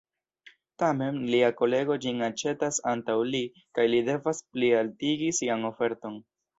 Tamen, lia kolego ĝin aĉetas antaŭ li, kaj li devas plialtigi sian oferton.